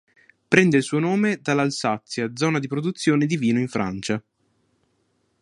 Prende il suo nome dall'Alsazia zona di produzione di vino in Francia.